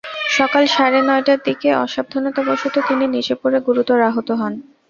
সকাল সাড়ে নয়টার দিকে অসাবধানতাবশত তিনি নিচে পড়ে গুরুতর আহত হন।